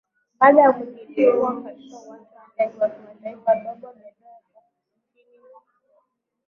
baada ya kujilipua katika uwanja wa ndege wa kimataifa domo de devo nchini moscow